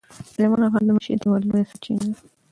سلیمان غر د معیشت یوه لویه سرچینه ده.